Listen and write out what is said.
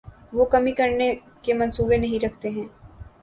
وہ کمی کرنے کے منصوبے نہیں رکھتے ہیں